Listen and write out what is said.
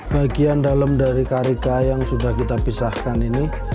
bagian dalam dari karika yang sudah kita pisahkan ini